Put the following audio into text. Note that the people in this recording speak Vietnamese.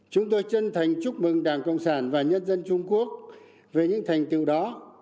chúng tôi chân thành chúc mừng đảng cộng sản và nhân dân trung quốc về những thành tựu đó